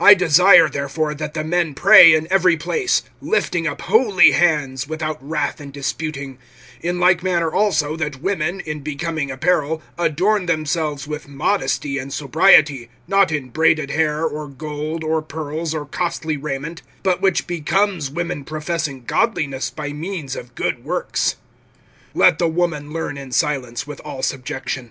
(8)I desire, therefore, that the men pray in every place, lifting up holy hands, without wrath and disputing; (9)in like manner also that women, in becoming apparel, adorn themselves with modesty and sobriety; not in braided hair, or gold, or pearls, or costly raiment; (10)but, which becomes women professing godliness, by means of good works. (11)Let the woman learn in silence, with all subjection.